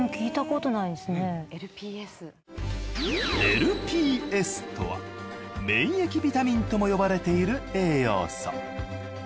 ＬＰＳとは免疫ビタミンとも呼ばれている栄養素。